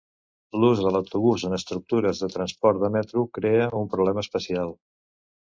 L'ús de l'autobús en estructures de transport de metro crea un problema especial.